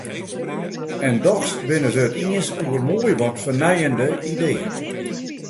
En dochs binne se it iens oer moai wat fernijende ideeën.